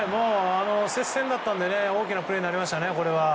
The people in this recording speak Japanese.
接戦だったので大きなプレーになりました。